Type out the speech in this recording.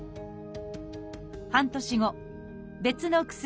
半年後別の薬